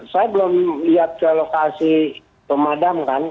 saya belum lihat ke lokasi pemadam kan